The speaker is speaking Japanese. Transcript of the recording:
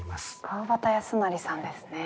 川端康成さんですね。